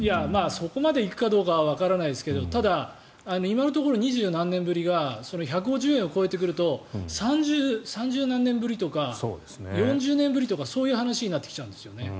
そこまで行くかどうかはわからないですけどただ、今のところ２０何年ぶりが１５０円を超えてくると３０何年ぶりとか４０年ぶりとかそういう話になってきちゃうんですよね。